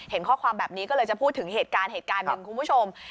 เห็นข้อความแบบนี้ก็เลยจะพูดถึงเหตุการณ์หนึ่งคุณผู้ชม